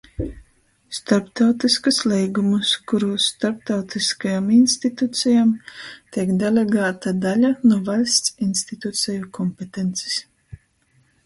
Storptautyskus leigumus, kurūs storptautyskajom institucejom teik delegāta daļa nu vaļsts instituceju kompetencis,